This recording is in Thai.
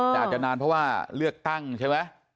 แต่อาจจะนานเพราะว่าเลือกตั้งใช่ไหม